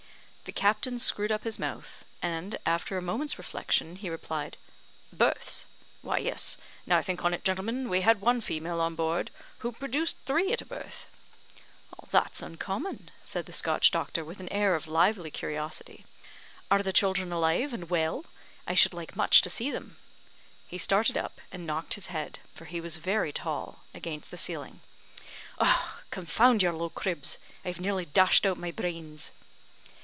The captain screwed up his mouth, and after a moment's reflection he replied, "Births? Why, yes; now I think on't, gentlemen, we had one female on board, who produced three at a birth." "That's uncommon," said the Scotch doctor, with an air of lively curiosity. "Are the children alive and well? I should like much to see them." He started up, and knocked his head for he was very tall against the ceiling. "Confound your low cribs! I have nearly dashed out my brains."